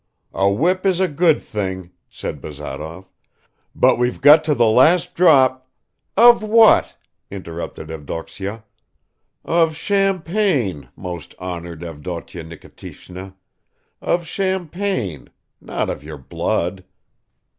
"A whip is a good thing," said Bazarov, "but we've got to the last drop ..." "Of what?" interrupted Evdoksya. "Of champagne, most honored Avdotya Nikitishna, of champagne not of your blood."